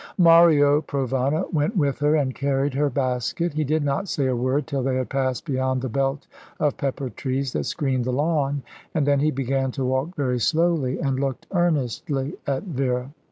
Mario Provana went with her, and carried her basket. He did not say a word till they had passed beyond the belt of pepper trees that screened the lawn, and then he began to walk very slowly, and looked earnestly at Vera.